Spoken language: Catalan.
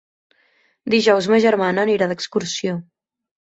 Dijous ma germana anirà d'excursió.